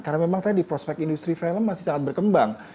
karena memang tadi prospek industri film masih sangat berkembang